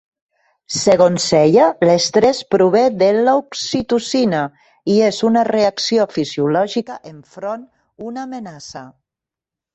Segons ella, l'estrès prové de l'oxitocina, i és una reacció fisiològica enfront una amenaça.